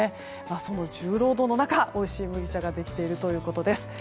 その重労働の中おいしい麦茶ができているということです。